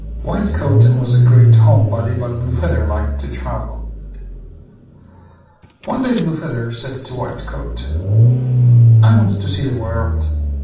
White coat was a great home body, but Blue feather liked to travel. One day Blue feather said to White coat, "I want to see the world.